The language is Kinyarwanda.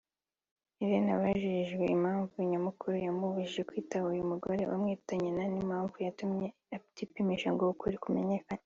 Irene abajijwe impamvu nyamukuru yamubujije kwitaba uyu mugore umwita nyina n’impamvu yatumye atipimisha ngo ukuri kumenyekane